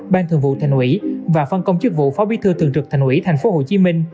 ban thường vụ thành ủy và phân công chức vụ phó bí thư thường trực thành ủy tp hcm